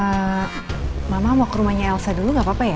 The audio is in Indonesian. mama mau ke rumahnya elsa dulu nggak apa apa ya